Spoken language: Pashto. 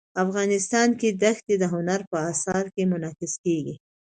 افغانستان کې دښتې د هنر په اثار کې منعکس کېږي.